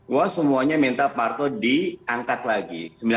wah semuanya minta pak harto diangkat lagi